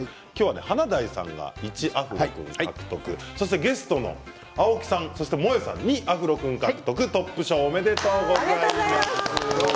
華大さんが、１アフロ君獲得ゲストの青木さんもえさん２アフロ君獲得トップ賞おめでとうございます。